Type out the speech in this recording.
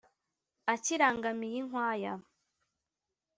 akirangamiye inkwaya